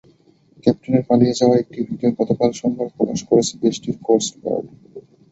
ক্যাপ্টেনের পালিয়ে যাওয়ার একটি ভিডিও গতকাল সোমবার প্রকাশ করেছে দেশটির কোস্টগার্ড।